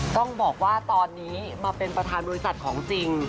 ต้องบอกว่าตอนนี้มาเป็นประธานบริษัทของจริง